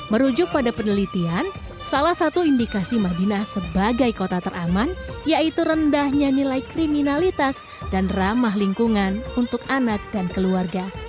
merujuk pada penelitian salah satu indikasi madinah sebagai kota teraman yaitu rendahnya nilai kriminalitas dan ramah lingkungan untuk anak dan keluarga